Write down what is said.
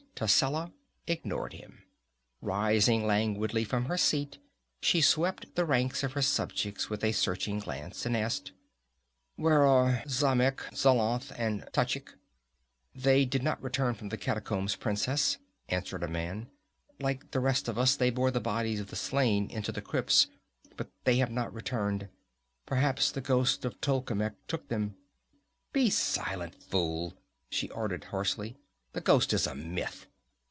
Tascela ignored him. Rising languidly from her seat she swept the ranks of her subjects with a searching glance, and asked: "Where are Xamec, Zlanath and Tachic?" "They did not return from the catacombs, princess," answered a man. "Like the rest of us, they bore the bodies of the slain into the crypts, but they have not returned. Perhaps the ghost of Tolkemec took them." "Be silent, fool!" she ordered harshly. "The ghost is a myth."